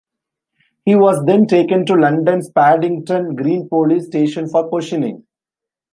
He was then taken to London's Paddington Green police station for questioning.